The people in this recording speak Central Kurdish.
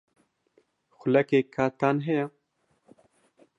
خولەکێک کاتتان ھەیە؟